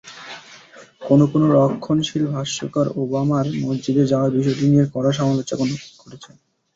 কোনো কোনো রক্ষণশীল ভাষ্যকার ওবামার মসজিদে যাওয়ার বিষয়টি নিয়ে কড়া সমালোচনা করেছেন।